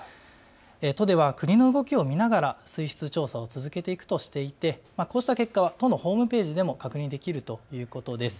都では国の動きを見ながら水質調査を続けていくとしていてこうした結果は都のホームページでも確認できるということです。